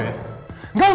tengah riki mundur